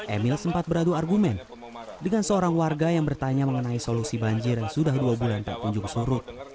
emil sempat beradu argumen dengan seorang warga yang bertanya mengenai solusi banjir yang sudah dua bulan tak kunjung surut